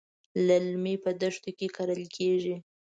للمي په دښتو کې کرل کېږي.